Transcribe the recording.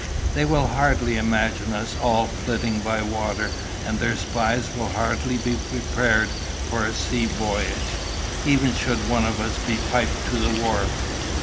They will hardly imagine us all flitting by water, and their spies will hardly be prepared for a sea voyage, even should one of us be 'piped' to the wharf.